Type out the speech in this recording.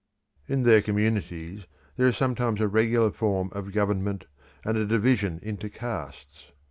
In their communities there is sometimes a regular form of government and a division into castes.